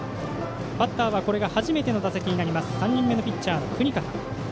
バッターは、これが初めての打席３人目のピッチャー、國方。